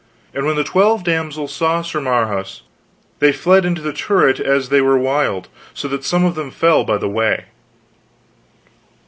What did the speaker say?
And when the twelve damsels saw Sir Marhaus they fled into the turret as they were wild, so that some of them fell by the way.